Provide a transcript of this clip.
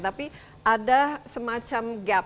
tapi ada semacam gap